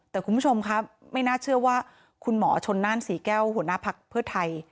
แต่คุณผู้ชมครับไม่น่าเชื่อว่าคุณหมอชนน่านศรีแก้วหัวหน้าภักดิ์เพื่อไทย